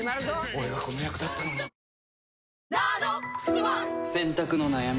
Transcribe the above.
俺がこの役だったのに洗濯の悩み？